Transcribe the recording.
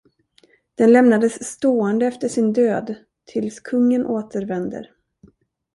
Den lämnades stående efter sin död "tills kungen återvänder".